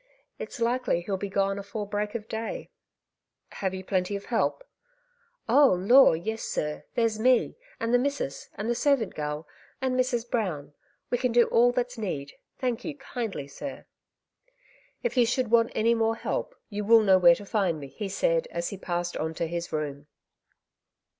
It's likely he'll be gone afore break of day." 146 '' Two Sides to every Question^ *^ Have you plenty of help ?^''^ Oh lor, yes, sir. There's me^ and the missus, and the servant gal, and Mrs. Brown. We C5an do all that^s need,. thank you kindly, sir.'* '* If you should want any more help, you will know where to find me," he said, as he passed on to his room.